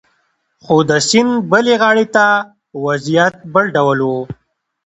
خو د سیند بلې غاړې ته وضعیت بل ډول و